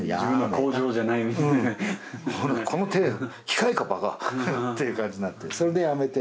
この手機械かバカ！っていう感じになってそれでやめて。